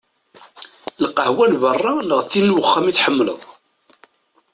D lqahwa n berra neɣ d tin n uxxam i tḥemmleḍ?